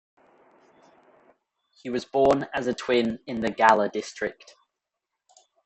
He was born as a twin in the Galle district.